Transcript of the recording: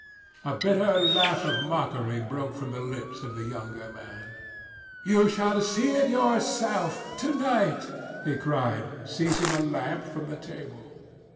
A bitter laugh of mockery broke from the lips of the younger man. "You shall see it yourself, to night!" he cried, seizing a lamp from the table.